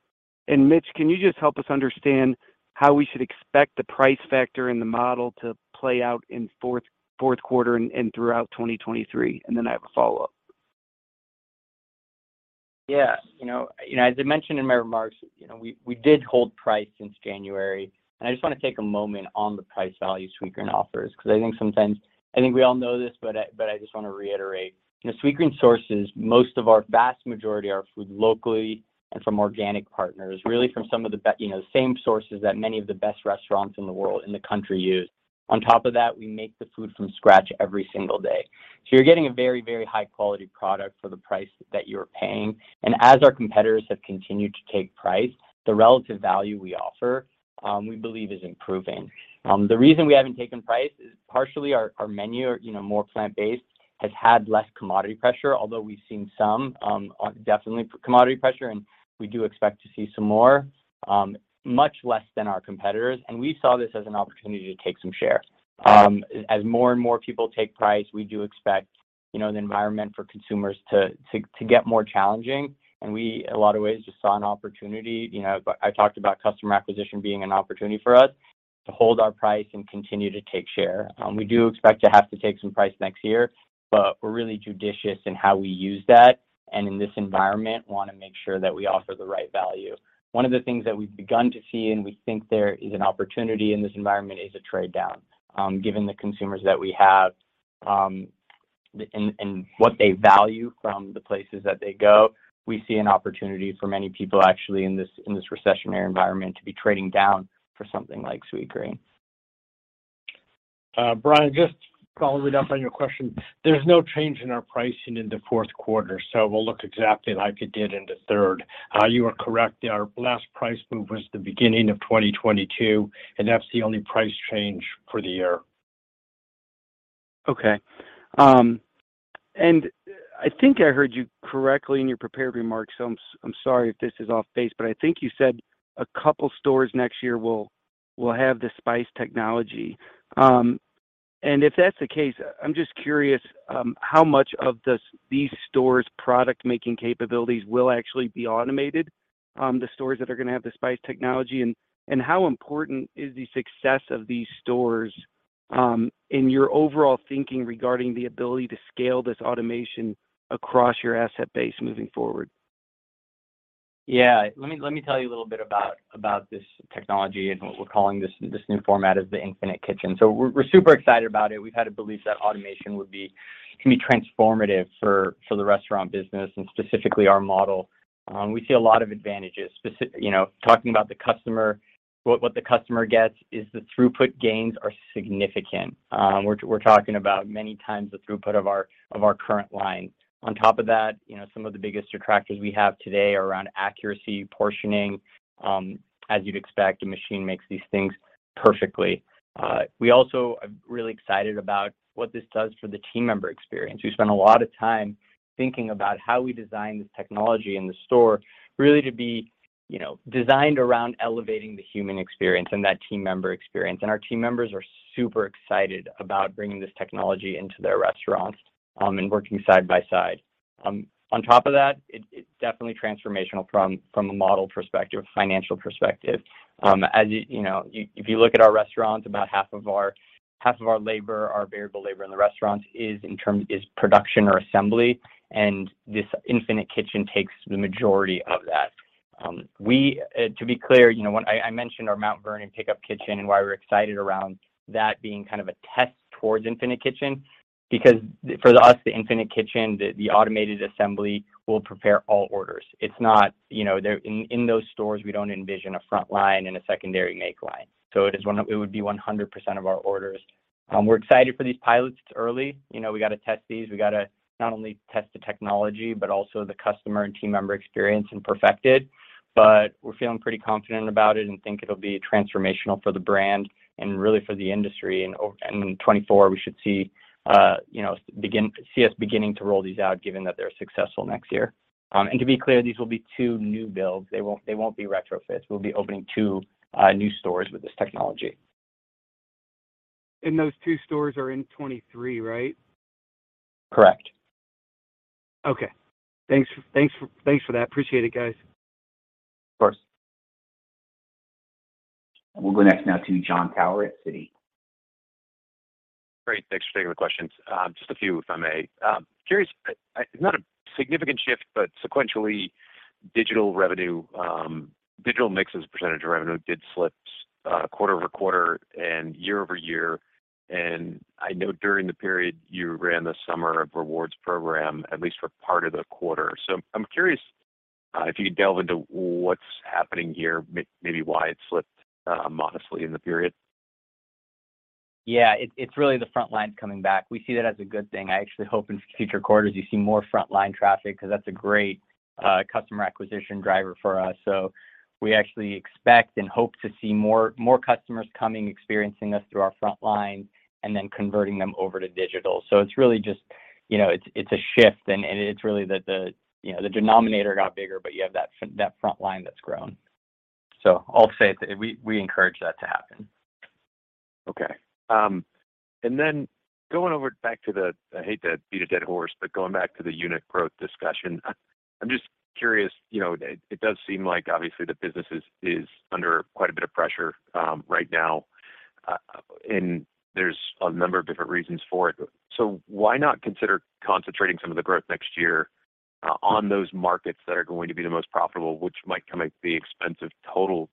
And Mitch, can you just help us understand how we should expect the price factor in the model to play out in fourth quarter and throughout 2023? And then I have a follow-up. Yeah. You know, as I mentioned in my remarks, you know, we did hold price since January. I just wanna take a moment on the price value Sweetgreen offers because I think sometimes we all know this, but I just wanna reiterate. You know, Sweetgreen sources most of our vast majority of our food locally and from organic partners, really from some of the same sources that many of the best restaurants in the world, in the country use. On top of that, we make the food from scratch every single day. So you're getting a very, very high quality product for the price that you are paying. As our competitors have continued to take price, the relative value we offer, we believe is improving. The reason we haven't taken prices is partially our menu, you know, more plant-based, has had less commodity pressure, although we've seen some definite commodity pressure, and we do expect to see some more, much less than our competitors. We saw this as an opportunity to take some share. As more and more people take price, we do expect, you know, the environment for consumers to get more challenging. We, in a lot of ways, just saw an opportunity. You know, I talked about customer acquisition being an opportunity for us to hold our price and continue to take share. We do expect to have to take some price next year, but we're really judicious in how we use that. In this environment, wanna make sure that we offer the right value. One of the things that we've begun to see, and we think there is an opportunity in this environment, is a trade-down. Given the consumers that we have, and what they value from the places that they go, we see an opportunity for many people actually in this recessionary environment to be trading down for something like Sweetgreen. Brian, just following up on your question. There's no change in our pricing in the fourth quarter, so we'll look exactly like it did in the third. You are correct. Our last price move was the beginning of 2022, and that's the only price change for the year. Okay. I think I heard you correctly in your prepared remarks, so I'm sorry if this is off base, but I think you said a couple stores next year will have the Spyce technology. If that's the case, I'm just curious how much of these stores' product-making capabilities will actually be automated, the stores that are gonna have the Spyce technology. How important is the success of these stores in your overall thinking regarding the ability to scale this automation across your asset base moving forward? Yeah. Let me tell you a little bit about this technology and what we're calling this new format is the Infinite Kitchen. We're super excited about it. We've had a belief that automation can be transformative for the restaurant business and specifically our model. We see a lot of advantages, you know, talking about the customer. What the customer gets is the throughput gains are significant. We're talking about many times the throughput of our current line. On top of that, you know, some of the biggest attractors we have today are around accuracy, portioning. As you'd expect, the machine makes these things perfectly. We also are really excited about what this does for the team member experience. We spend a lot of time thinking about how we design this technology in the store really to be, you know, designed around elevating the human experience and that team member experience. Our team members are super excited about bringing this technology into their restaurants and working side by side. On top of that, it's definitely transformational from a model perspective, financial perspective. If you look at our restaurants, about half of our labor, our variable labor in the restaurants is production or assembly, and this Infinite Kitchen takes the majority of that. To be clear, you know, when I mentioned our Mount Vernon Pickup-Kitchen and why we're excited around that being kind of a test towards Infinite Kitchen because for us, the Infinite Kitchen, the automated assembly will prepare all orders. It's not, you know. In those stores, we don't envision a front line and a secondary make line. It would be 100% of our orders. We're excited for these pilots. It's early. You know, we gotta test these. We gotta not only test the technology, but also the customer and team member experience and perfect it. We're feeling pretty confident about it and think it'll be transformational for the brand and really for the industry. In 2024, we should see, you know, see us beginning to roll these out, given that they're successful next year. To be clear, these will be two new builds. They won't be retrofits. We'll be opening 2 new stores with this technology. Those two stores are in 2023, right? Correct. Okay. Thanks for that. Appreciate it, guys. Of course. We'll go next now to Jon Tower at Citigroup. Great. Thanks for taking the questions. Just a few, if I may. Curious, not a significant shift, but sequentially, digital revenue, digital mix as a percentage of revenue did slip, quarter-over-quarter and year-over-year. I know during the period, you ran the Summer of Rewards program at least for part of the quarter. I'm curious, if you could delve into what's happening here, maybe why it slipped, modestly in the period. Yeah. It's really the front line coming back. We see that as a good thing. I actually hope in future quarters you see more frontline traffic 'cause that's a great customer acquisition driver for us. We actually expect and hope to see more customers coming, experiencing us through our front line and then converting them over to digital. It's really just, you know, it's a shift, and it's really the, you know, the denominator got bigger, but you have that that front line that's grown. I'll say it, we encourage that to happen. Okay. I hate to beat a dead horse, but going back to the unit growth discussion, I'm just curious, you know, it does seem like obviously the business is under quite a bit of pressure, right now. There's a number of different reasons for it. Why not consider concentrating some of the growth next year, on those markets that are going to be the most profitable, which might come at the expense of total,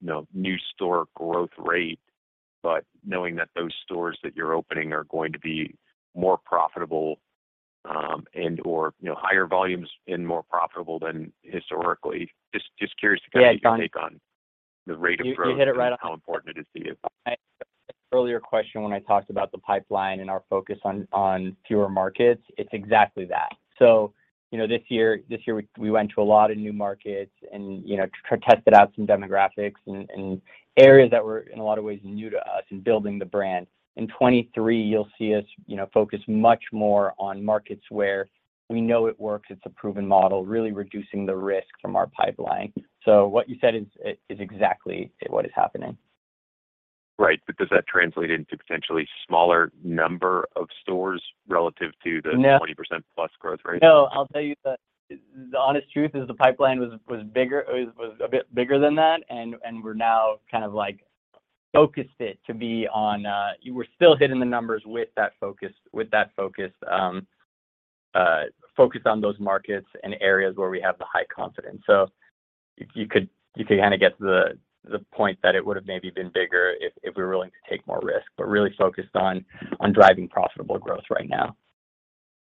you know, new store growth rate, but knowing that those stores that you're opening are going to be more profitable, and/or, you know, higher volumes and more profitable than historically? Just curious to- Yeah. John- Get your take on the rate of growth? You hit it right on. how important it is to you. Earlier question when I talked about the pipeline and our focus on fewer markets, it's exactly that. You know, this year we went to a lot of new markets and, you know, tested out some demographics and areas that were in a lot of ways new to us in building the brand. In 2023, you'll see us, you know, focus much more on markets where we know it works, it's a proven model, really reducing the risk from our pipeline. What you said is exactly what is happening. Right. Does that translate into potentially a smaller number of stores relative to the- No. 20%+ growth rate? No. I'll tell you the honest truth is the pipeline was bigger, it was a bit bigger than that, and we're now kind of like focused it to be on, we're still hitting the numbers with that focus on those markets and areas where we have the high confidence. You could kinda get to the point that it would've maybe been bigger if we were willing to take more risk, but really focused on driving profitable growth right now.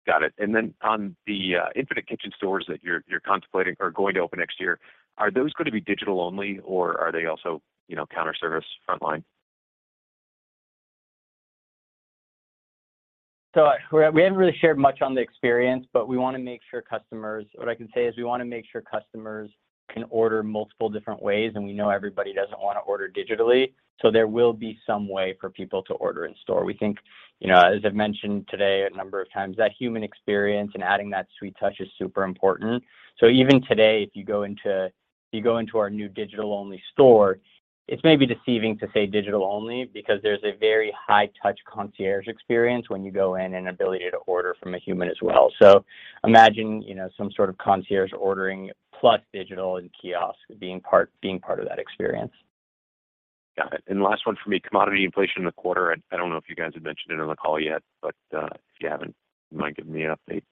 Got it. Then on the Infinite Kitchen stores that you're contemplating or going to open next year, are those gonna be digital only or are they also, you know, counter service frontline? We haven't really shared much on the experience, but we wanna make sure customers can order multiple different ways, and we know everybody doesn't wanna order digitally, so there will be some way for people to order in store. We think, you know, as I've mentioned today a number of times, that human experience and adding that sweet touch is super important. Even today, if you go into our new digital-only store, it's maybe deceiving to say digital only because there's a very high touch concierge experience when you go in and ability to order from a human as well. Imagine, you know, some sort of concierge ordering plus digital and kiosk being part of that experience. Got it. Last one for me. Commodity inflation in the quarter. I don't know if you guys have mentioned it on the call yet, but if you haven't, you mind giving me an update?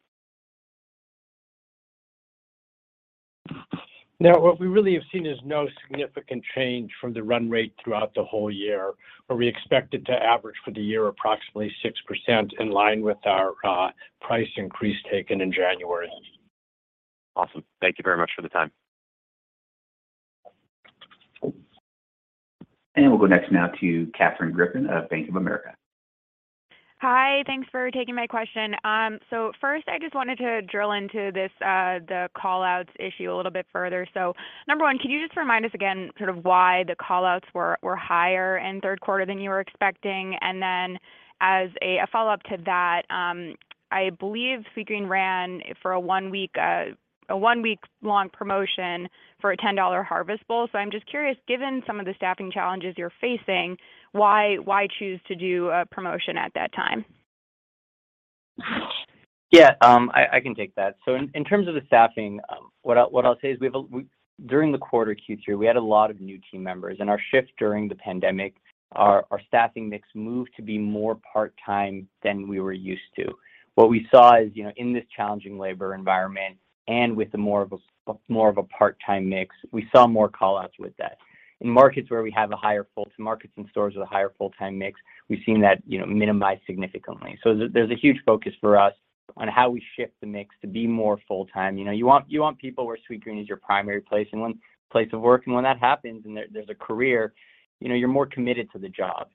No. What we really have seen is no significant change from the run rate throughout the whole year, where we expect it to average for the year approximately 6% in line with our price increase taken in January. Awesome. Thank you very much for the time. We'll go next now to Katherine Griffin of Bank of America. Hi. Thanks for taking my question. First, I just wanted to drill into this, the call-outs issue a little bit further. Number one, can you just remind us again sort of why the call-outs were higher in third quarter than you were expecting? As a follow-up to that, I believe Sweetgreen ran a 1-week long promotion for a $10 Harvest Bowl. I'm just curious, given some of the staffing challenges you're facing, why choose to do a promotion at that time? Yeah, I can take that. In terms of the staffing, what I'll say is during the quarter Q3, we had a lot of new team members. In our shift during the pandemic, our staffing mix moved to be more part-time than we were used to. What we saw is, you know, in this challenging labor environment and with more of a part-time mix, we saw more call-outs with that. In markets and stores with a higher full-time mix, we've seen that, you know, minimize significantly. There's a huge focus for us on how we shift the mix to be more full-time. You know, you want people where Sweetgreen is your primary place of work. When that happens and then there's a career, you know, you're more committed to the job.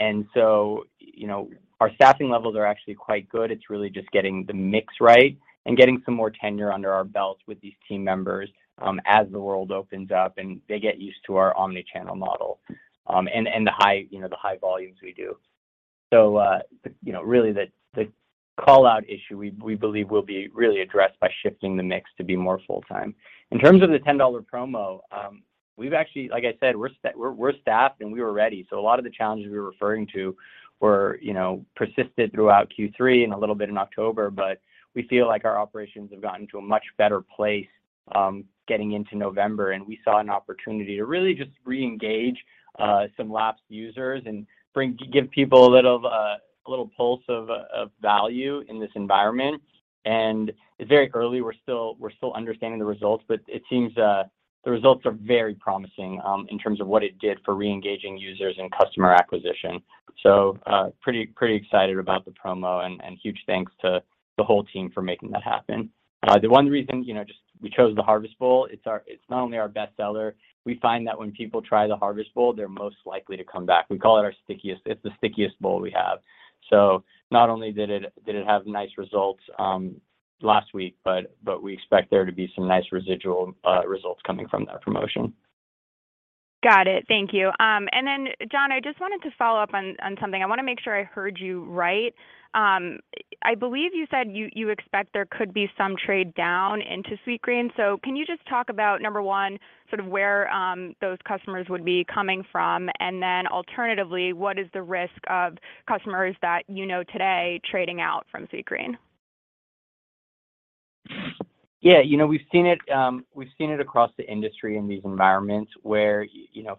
You know, our staffing levels are actually quite good. It's really just getting the mix right and getting some more tenure under our belts with these team members, as the world opens up and they get used to our omni-channel model, and the high volumes we do. You know, really the call-out issue, we believe will be really addressed by shifting the mix to be more full-time. In terms of the $10 promo, we've actually, like I said, we're staffed and we were ready. A lot of the challenges we were referring to were, you know, persisted throughout Q3 and a little bit in October. We feel like our operations have gotten to a much better place, getting into November, and we saw an opportunity to really just reengage some lapsed users and give people a little pulse of value in this environment. It's very early. We're still understanding the results, but it seems the results are very promising in terms of what it did for reengaging users and customer acquisition. Pretty excited about the promo and huge thanks to the whole team for making that happen. The one reason, you know, just we chose the Harvest Bowl. It's not only our best seller. We find that when people try the Harvest Bowl, they're most likely to come back. We call it our stickiest. It's the stickiest bowl we have. Not only did it have nice results last week, but we expect there to be some nice residual results coming from that promotion. Got it. Thank you. John, I just wanted to follow up on something. I wanna make sure I heard you right. I believe you said you expect there could be some trade down into Sweetgreen. Can you just talk about, number one, sort of where those customers would be coming from? Alternatively, what is the risk of customers that you know today trading out from Sweetgreen? Yeah, you know, we've seen it across the industry in these environments where, you know,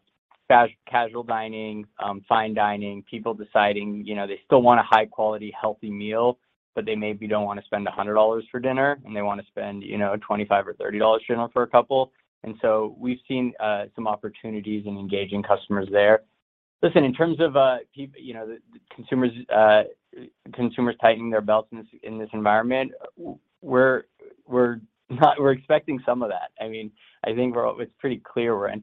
casual dining, fine dining, people deciding, you know, they still want a high quality, healthy meal, but they maybe don't wanna spend $100 for dinner and they wanna spend, you know, $25 or $30 dinner for a couple. We've seen some opportunities in engaging customers there. Listen, in terms of consumers tightening their belts in this environment, we're expecting some of that. I mean, I think it's pretty clear we're in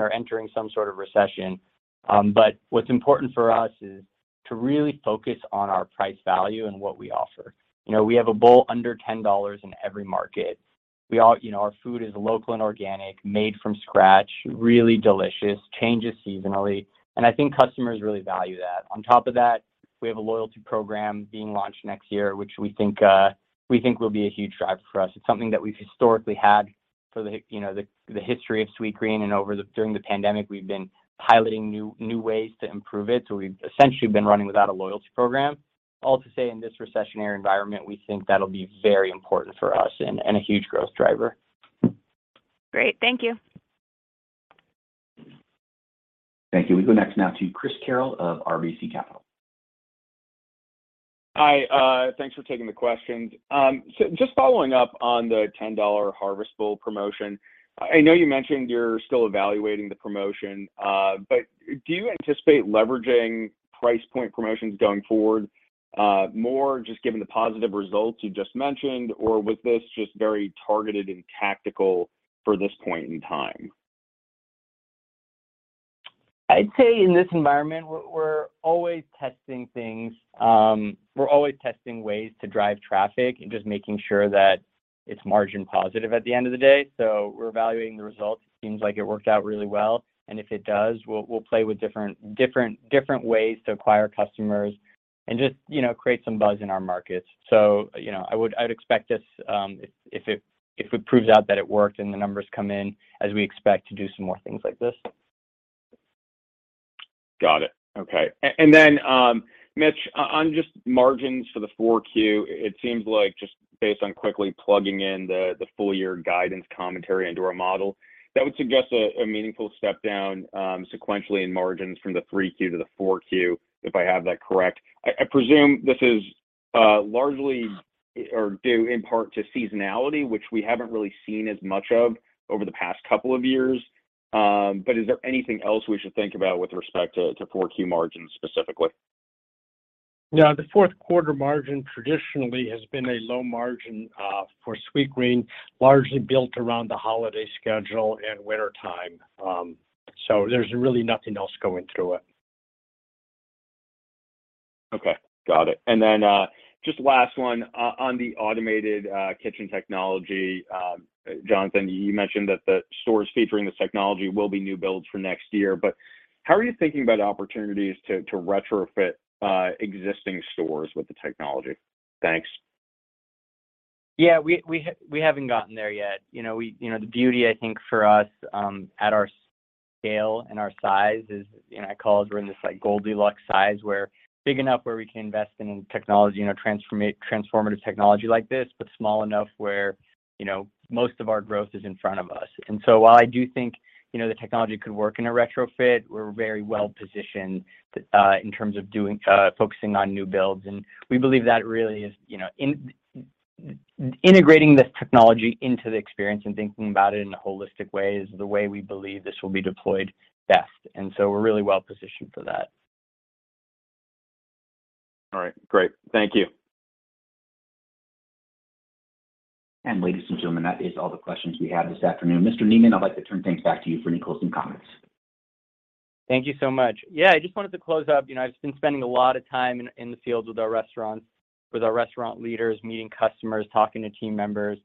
or entering some sort of recession. What's important for us is to really focus on our price value and what we offer. You know, we have a bowl under $10 in every market. We all, you know, our food is local and organic, made from scratch, really delicious, changes seasonally, and I think customers really value that. On top of that, we have a loyalty program being launched next year, which we think will be a huge driver for us. It's something that we've historically had for the, you know, the history of Sweetgreen and during the pandemic, we've been piloting new ways to improve it. We've essentially been running without a loyalty program. All to say in this recessionary environment, we think that'll be very important for us and a huge growth driver. Great. Thank you. Thank you. We go next now to Christopher Carril of RBC Capital. Hi, thanks for taking the questions. Just following up on the $10 Harvest Bowl promotion. I know you mentioned you're still evaluating the promotion, but do you anticipate leveraging price point promotions going forward, more just given the positive results you just mentioned, or was this just very targeted and tactical for this point in time? I'd say in this environment we're always testing things. We're always testing ways to drive traffic and just making sure that it's margin positive at the end of the day. We're evaluating the results. Seems like it worked out really well, and if it does, we'll play with different ways to acquire customers and just, you know, create some buzz in our markets. You know, I would expect us, if it proves out that it worked and the numbers come in as we expect, to do some more things like this. Got it. Okay. Then, Mitch, on just margins for the 4Q, it seems like just based on quickly plugging in the full year guidance commentary into our model, that would suggest a meaningful step down sequentially in margins from the 3Q to the 4Q, if I have that correct. I presume this is largely or due in part to seasonality, which we haven't really seen as much of over the past couple of years. Is there anything else we should think about with respect to 4Q margins specifically? Yeah. The fourth-quarter margin traditionally has been a low margin for Sweetgreen, largely built around the holiday schedule and wintertime. There's really nothing else going through it. Okay. Got it. Just last one. On the automated kitchen technology, Jonathan, you mentioned that the stores featuring this technology will be new builds for next year, but how are you thinking about opportunities to retrofit existing stores with the technology? Thanks. Yeah, we haven't gotten there yet. You know, the beauty I think for us at our scale and our size is, you know, I call it we're in this like Goldilocks size. We're big enough where we can invest in technology, you know, transformative technology like this, but small enough where, you know, most of our growth is in front of us. While I do think, you know, the technology could work in a retrofit, we're very well positioned in terms of focusing on new builds, and we believe that really is, you know, integrating this technology into the experience and thinking about it in a holistic way is the way we believe this will be deployed best, and we're really well positioned for that. All right, great. Thank you. Ladies and gentlemen, that is all the questions we have this afternoon. Mr. Neman, I'd like to turn things back to you for any closing comments. Thank you so much. Yeah, I just wanted to close up. You know, I've been spending a lot of time in the fields with our restaurants, with our restaurant leaders, meeting customers, talking to team members,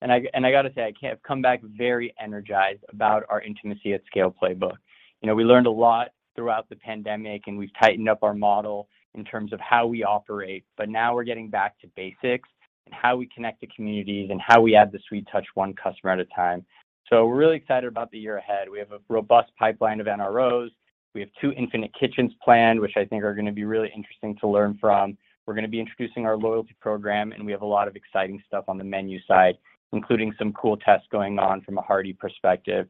and I gotta say, I have come back very energized about our Intimacy at Scale playbook. You know, we learned a lot throughout the pandemic, and we've tightened up our model in terms of how we operate. Now we're getting back to basics and how we connect to communities and how we add the sweet touch one customer at a time. We're really excited about the year ahead. We have a robust pipeline of NROs. We have two Infinite Kitchens planned, which I think are gonna be really interesting to learn from. We're gonna be introducing our loyalty program, and we have a lot of exciting stuff on the menu side, including some cool tests going on from a hearty perspective.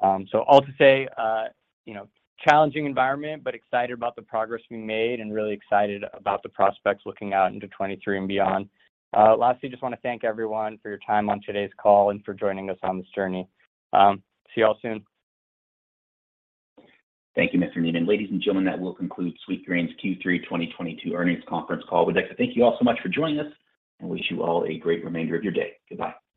All to say, you know, challenging environment, but excited about the progress we made and really excited about the prospects looking out into 2023 and beyond. Lastly, just wanna thank everyone for your time on today's call and for joining us on this journey. See you all soon. Thank you, Mr. Neman. Ladies and gentlemen, that will conclude Sweetgreen's Q3 2022 earnings conference call. We'd like to thank you all so much for joining us and wish you all a great remainder of your day. Goodbye.